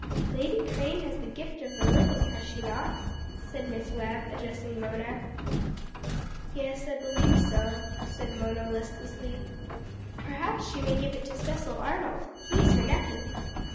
"Lady Crane has the gift of the living, has she not?" said Miss Webb, addressing Mona. "Yes, I believe so," said Mona listlessly. "Perhaps she may give it to Cecil Arnold. He is her nephew!"